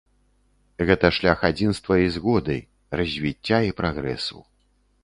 Гэта шлях адзінства і згоды, развіцця і прагрэсу.